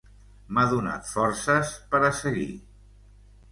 M'ha donat forces per a seguir.